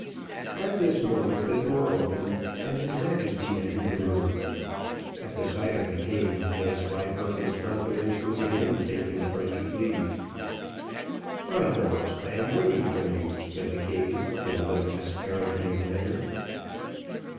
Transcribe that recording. At this moment, the door opened and his Majesty entered the room. At the sight of the king, Vanslyperken's confidence was again taking French leave. "My lords, I am waiting for you," said the king, with a little asperity of manner.